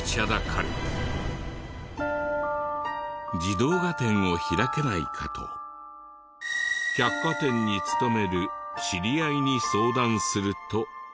児童画展を開けないかと百貨店に勤める知り合いに相談すると。